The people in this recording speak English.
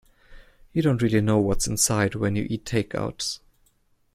You don't really know what's inside when you eat takeouts.